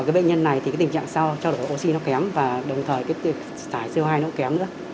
ở cái bệnh nhân này thì tình trạng trao đổi oxy nó kém và đồng thời thải co hai nó kém nữa